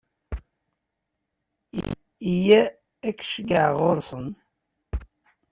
Yya, ad k-ceggɛeɣ ɣur-sen.